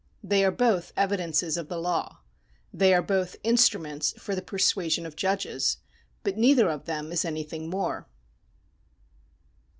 They are both evidences of the law ; they are both instruments for the persuasion of judges; but neither of them is anything more.